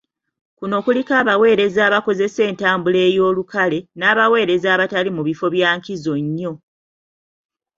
Kuno kuliko abaweereza abakozesa entambula ey'olukale n'abaweereza abatali mu bifo bya nkizo nnyo.